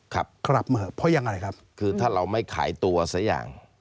ครับครับเพราะยังไงครับคือถ้าเราไม่ขายตัวสักอย่าง